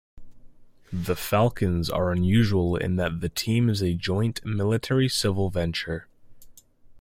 The Falcons are unusual in that the team is a joint military-civil venture.